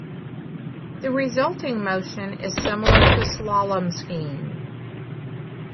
The resulting motion is similar to slalom skiing.